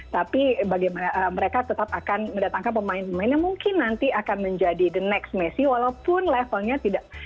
tapi mereka tetap akan mendatangkan pemain pemain yang mungkin nanti akan menjadi the next messi walaupun levelnya tidak